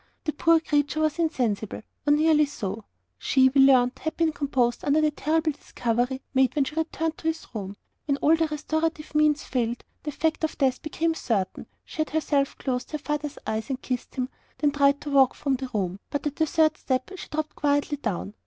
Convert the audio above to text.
The poor creature was insensible, or nearly so. She we learnt had been composed under the terrible discovery made when she returned to his room; and when all restorative means failed, the fact of death became certain, she had herself closed her father's eyes, and kissed him, then tried to walk from the room but at the third step she dropped quietly down.